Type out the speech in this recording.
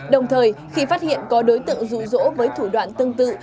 đồng thời khi phát hiện có đối tượng rụ rỗ với thủ đoạn tương tự